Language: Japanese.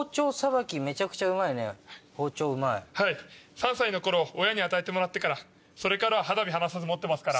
３歳の頃親に与えてもらってから肌身離さず持ってますから。